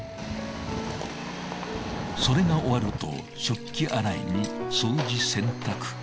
それが終わると食器洗いに掃除洗濯。